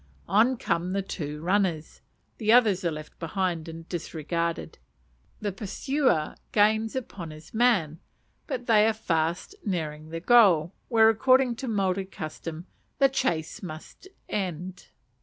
On come the two runners (the others are left behind and disregarded). The pursuer gains upon his man; but they are fast nearing the goal, where, according to Maori custom, the chase must end.